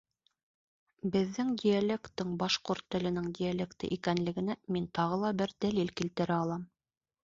Беҙҙең диалекттың башҡорт теленең диалекты икәнлегенә мин тағы ла бер дәлил килтерә алам.